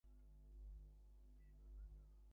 তবে আর বেশিদূর খোঁজ করবার কী দরকার বাপু?